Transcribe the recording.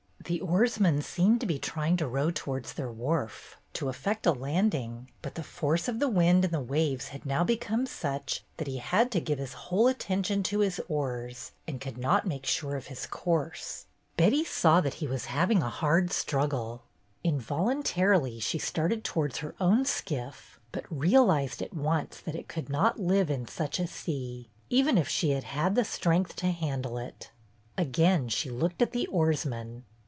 The oarsman seemed to be trying to row towards their wharf, to effect a landing, but the force of the wind and the waves had now become such that he had to give his whole attention to his oars and could not make sure of his course. Betty saw that he was having a hard struggle. Involuntarily she started towards her own skiff, but realized at once that it could not live in such a sea, even if she had had the strength to handle it. Again she looked at the oarsman.